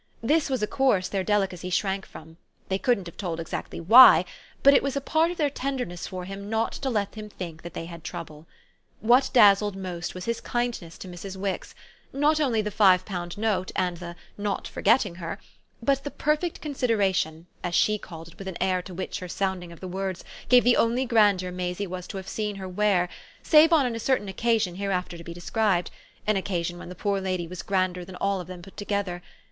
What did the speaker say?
This was a course their delicacy shrank from; they couldn't have told exactly why, but it was a part of their tenderness for him not to let him think they had trouble. What dazzled most was his kindness to Mrs. Wix, not only the five pound note and the "not forgetting" her, but the perfect consideration, as she called it with an air to which her sounding of the words gave the only grandeur Maisie was to have seen her wear save on a certain occasion hereafter to be described, an occasion when the poor lady was grander than all of them put together.